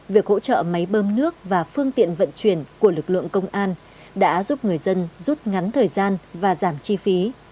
việc hỗ trợ máy bơm nước và phương tiện vận chuyển của lực lượng công an đã giúp người dân rút ngắn thời gian và giảm chi phí